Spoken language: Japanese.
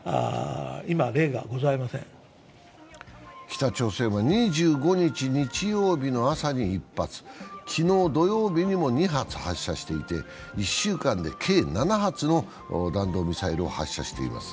北朝鮮は２５日、日曜日の朝に１発、昨日、土曜日にも２発発射していて１週間で計７発の弾道ミサイルを発射しています。